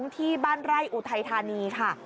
ที่บ้านไร่อุทัยธานีค่ะ